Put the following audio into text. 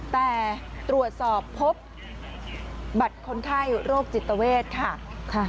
แต่ตรวจสอบพบบัตรคนไข้โรคจิตเวทค่ะ